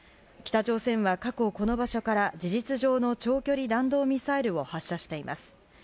北朝鮮は過去、この場所から事実上の長距離弾道ミサイルを発射しています。